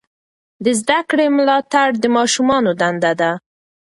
د زده کړې ملاتړ د ماشومانو دنده ده.